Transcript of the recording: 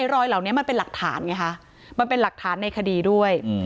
รอยเหล่านี้มันเป็นหลักฐานไงคะมันเป็นหลักฐานในคดีด้วย